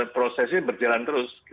prosesnya berjalan terus